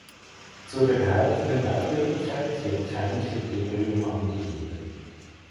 Zu der behaupteten Glaubwürdigkeit wird kein Kriterium angegeben.